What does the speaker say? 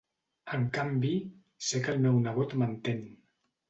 En canvi, sé que el meu nebot m'entén.